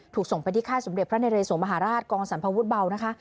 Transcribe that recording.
ถูกส่งไปที่ค่ายสมเด็จพระนเรสวมหาราชกองสัมภวุฒิเบานะคะ